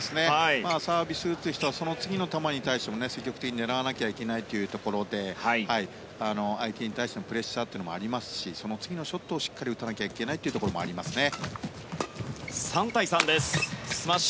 サービスを打つ人はその次の球に対しても積極的に打たなきゃいけないというところで相手に対してのプレッシャーというのもありますしその次のショットをしっかり打たなきゃいけないというところもありますね。